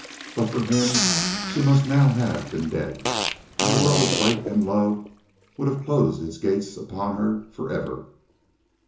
But for him she must now have been dead, and the world of light and love would have closed its gates upon her for ever.